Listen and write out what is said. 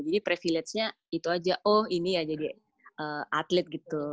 jadi privilege nya itu aja oh ini ya jadi atlet gitu